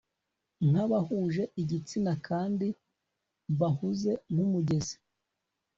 Nkabahuje igitsina kandi bahuze nkumugezi